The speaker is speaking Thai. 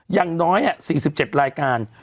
อย่างน้อย๔๗รายการ